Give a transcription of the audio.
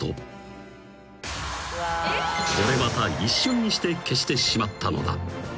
［これまた一瞬にして消してしまったのだ］